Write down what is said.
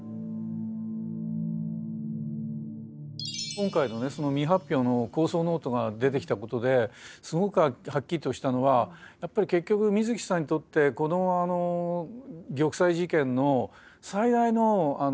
今回のね未発表の構想ノートが出てきたことですごくはっきりとしたのはやっぱり結局水木さんにとってこの玉砕事件の最大の傷は友人の死だったわけですよね。